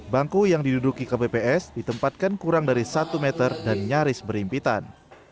bangku yang diduduki kpps ditempatkan kurang dari satu meter dan nyaris berhimpitan